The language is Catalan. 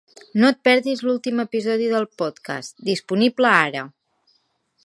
No et perdis l'últim episodi del podcast. Disponible ara!